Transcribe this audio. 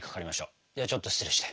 ではちょっと失礼して。